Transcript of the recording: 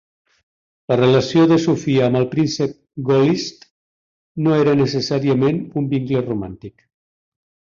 La relació de Sophia amb el príncep Golitsyn no era necessàriament un vincle romàntic.